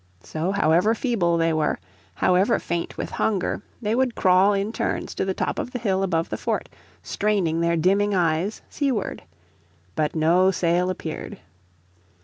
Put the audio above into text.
So, however feeble they were, however faint with hunger, they would crawl in turns to the top of the hill above the fort straining their dimming eyes seaward. But no sail appeared.